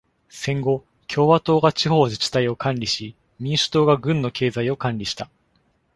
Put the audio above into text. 戦後、共和党が地方自治体を管理し、民主党が郡の経済を管理した。